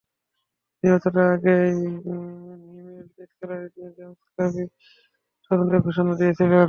নির্বাচনের আগে আগে ই-মেইল কেলেঙ্কারি নিয়ে জেমস কোমি নতুন করে তদন্তের ঘোষণা দিয়েছিলেন।